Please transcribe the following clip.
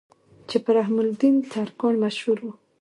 چې پۀ رحم الدين ترکاڼ مشهور وو